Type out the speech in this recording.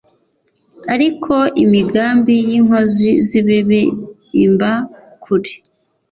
ariko imigambi y’inkozi z’ibibi imba kure